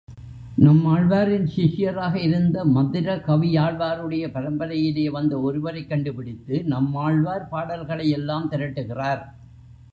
நம்மாழ்வாரின் சிஷ்யராக இருந்த மதுர கவியாழ்வாருடைய பரம்பரையிலே வந்த ஒருவரைக் கண்டுபிடித்து நம்மாழ்வார் பாடல்களையெல்லாம் திரட்டுகிறார்.